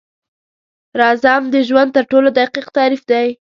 رزم د ژوند تر ټولو دقیق تعریف دی.